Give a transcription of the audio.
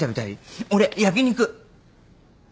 俺焼き肉。